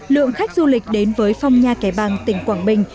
lượng khách du lịch đến với phong nha kẻ bàng tỉnh quảng bình